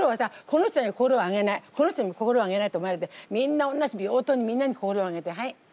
この人には心をあげないこの人にも心をあげないって思わないでみんなおんなじ平等にみんなに心をあげてはい。